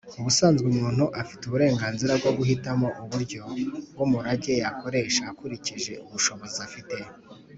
ubusanzwe umuntu afite uburenganzira bwo guhitamo uburyo bw’umurage yakoresha akuriki- je ubushobozi afite.